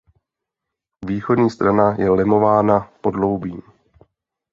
Východní strana je lemována podloubím.